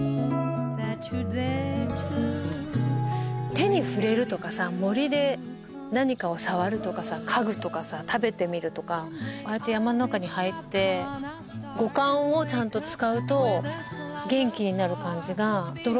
手に触れるとかさ森で何かを触るとかさ嗅ぐとかさ食べてみるとかああやって山の中に入って五感をちゃんと使うと元気になる感じが泥染めでもあった。